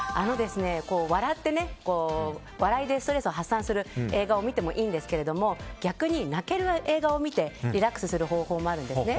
笑って、笑いでストレスを発散する映画を見てもいいんですけど逆に泣ける映画を見てリラックスする方法もあるんですね。